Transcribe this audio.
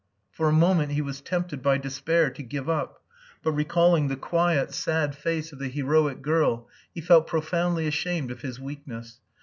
For a moment he was tempted by despair to give up; but recalling the quiet, sad face of the heroic girl, he felt profoundly ashamed of his weakness.